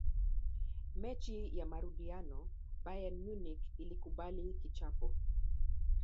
mechi ya marudiano bayern munich ilikubali kichapo